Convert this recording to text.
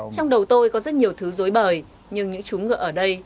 trong đầu tôi có rất nhiều thứ dối bời nhưng những chú ngựa ở đây